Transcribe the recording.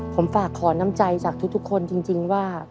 ผมฝากขอน้ำใจจากทุกคนจริงว่า